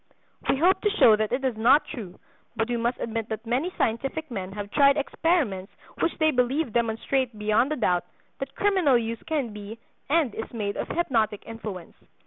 We hope to show that it is not true; but we must admit that many scientific men have tried experiments which they believe demonstrate beyond a doubt that criminal use can be and is made of hypnotic influence.